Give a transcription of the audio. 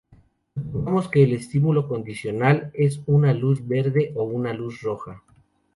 Supongamos que el estímulo condicional es una luz verde o una luz roja.